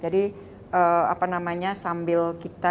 jadi apa namanya sambil kita